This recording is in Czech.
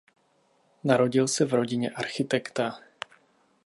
Narodil se v rodině architekta.